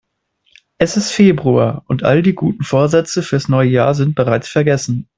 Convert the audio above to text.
Es ist Februar und all die guten Vorsätze fürs neue Jahr sind bereits vergessen.